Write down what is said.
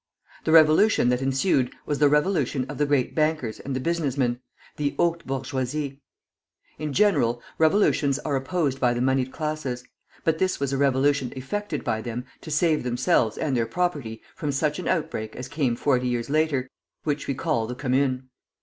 The revolution that ensued was the revolution of the great bankers and the business men, the haute bourgeoisie. In general, revolutions are opposed by the moneyed classes; but this was a revolution effected by them to save themselves and their property from such an outbreak as came forty years later, which we call the Commune.